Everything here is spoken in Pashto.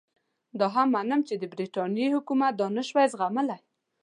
دا هم منم چې د برټانیې حکومت دا نه شوای زغملای.